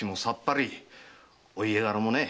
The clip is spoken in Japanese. お家柄もね